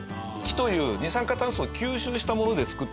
木という二酸化炭素を吸収したもので造っていくので。